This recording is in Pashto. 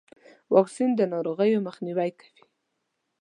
واکسین د ناروغیو مخنیوی کوي.